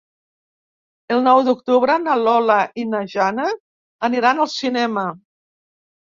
El nou d'octubre na Lola i na Jana aniran al cinema.